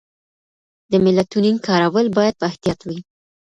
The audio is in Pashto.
د میلاټونین کارول باید په احتیاط وي.